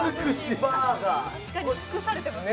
確かにつくされてます